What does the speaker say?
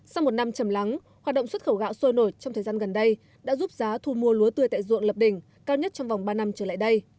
sau một năm chầm lắng hoạt động xuất khẩu gạo sôi nổi trong thời gian gần đây đã giúp giá thu mua lúa tươi tại ruộng lập đỉnh cao nhất trong vòng ba năm trở lại đây